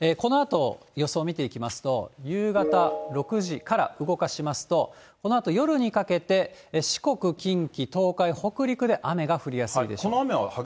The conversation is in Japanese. このあと、予想見ていきますと、夕方６時から動かしますと、このあと夜にかけて、四国、近畿、東海、北陸で、雨が降りやすいでしょう。